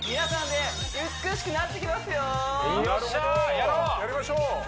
やりましょう！